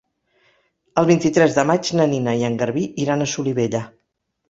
El vint-i-tres de maig na Nina i en Garbí iran a Solivella.